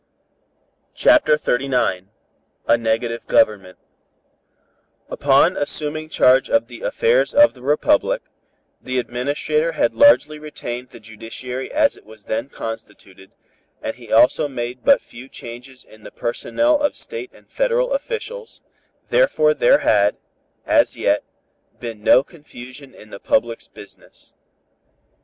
CHAPTER XXXIX A NEGATIVE GOVERNMENT Upon assuming charge of the affairs of the Republic, the Administrator had largely retained the judiciary as it was then constituted, and he also made but few changes in the personnel of State and Federal officials, therefore there had, as yet, been no confusion in the public's business.